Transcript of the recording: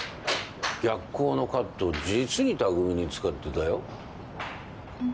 逆光のカットを実に巧みに使ってたよ。